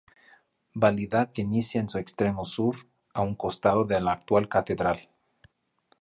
Vialidad que inicia en su extremo sur, a un costado de la actual catedral.